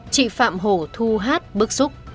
chị phạm hồ thu hát bức xúc